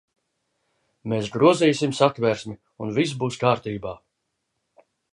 Mēs grozīsim Satversmi, un viss būs kārtībā.